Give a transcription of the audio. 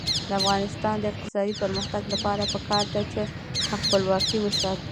د افغانستان د اقتصادي پرمختګ لپاره پکار ده چې خپلواکي وساتو.